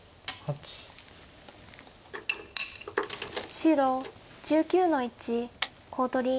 白１９の一コウ取り。